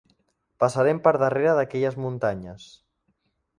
Passarem per darrere d'aquelles muntanyes.